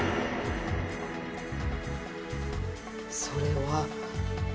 それは。